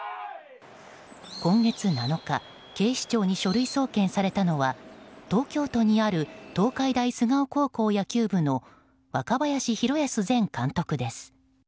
今月７日警視庁に書類送検されたのは東京都にある東海大菅生高校野球部の若林弘泰前監督です。